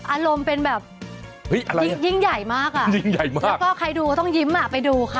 อารมณ์เป็นแบบยิ่งใหญ่มากอ่ะยิ่งใหญ่มากแล้วก็ใครดูก็ต้องยิ้มอ่ะไปดูค่ะ